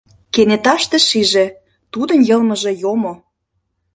Кенеташте шиже: тудын йылмыже йомо.